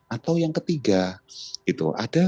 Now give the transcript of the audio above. atau yang ketiga gitu